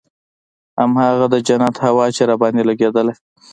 هماغه د جنت هوا چې راباندې لګېدله.